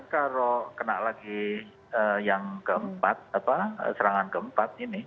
tidak lagi yang keempat serangan keempat ini